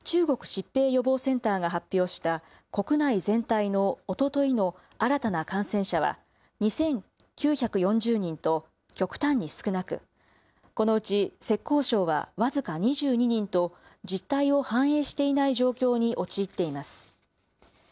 これに対し、国の感染症対策を担う政府機関、中国疾病予防センターが発表した国内全体のおとといの新たな感染者は２９４０人と極端に少なく、このうち浙江省は僅か２２人と、実態を反映していない状況に陥っています。